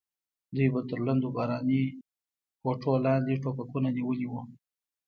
دوی به تر لندو باراني کوټو لاندې ټوپکونه نیولي وو.